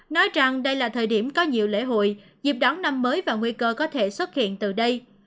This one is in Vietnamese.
nói rằng đây là thời điểm có nhiều lễ hội dịp đón năm mới và nguy cơ có thể xuất hiện từ đây